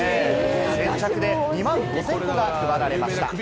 先着で２万５０００個が配られました。